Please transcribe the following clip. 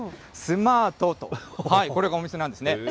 スマートと、これがお店なんですね。